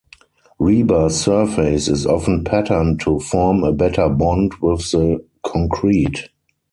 Rebar's surface is often patterned to form a better bond with the concrete.